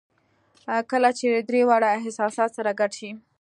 کله چې درې واړه احساسات سره ګډ شي